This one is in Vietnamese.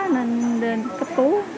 nên đến cấp cứu